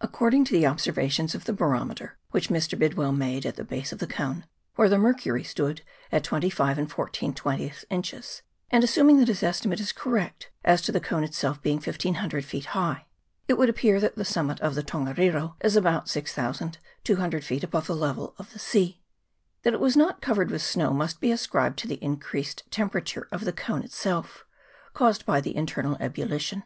According to the observations of the barometer which Mr. Bidwill made at the base of the cone, where the mercury stood at 25io inches, and assuming that his estimate is correct as to the cone itself being 1500 feet high, it would appear that the summit of the Tongariro is about 6200 feet above the level of the sea. That it was not covered with snow must be ascribed to the increased temperature of the cone itself, caused by the internal ebullition.